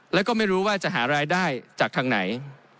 แล้วก็ไม่รู้ว่าจะหารายได้จากทางไหน